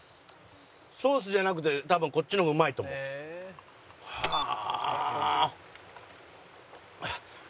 ソースじゃなくて多分こっちの方がうまいと思う。はあ！